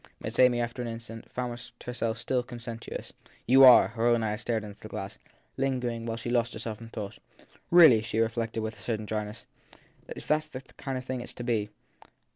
Miss Amy, after an instant, found herself still conscientious. You are. Her own eyes strayed to the glass, lingering there while she lost herself in thought. Really, she reflected with a certain dryness, ( if that s the kind of thing it s to be